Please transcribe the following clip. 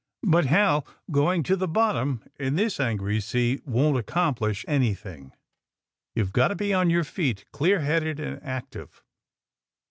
But, Hal, going to the bottom in this angry sea won't accomplish anything. You've got to be on your feet, clear headed and active.